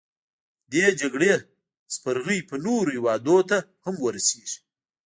دې جګړې سپرغۍ به نورو هیوادونو ته هم ورسیږي.